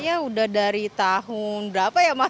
ya sudah dari tahun berapa ya mas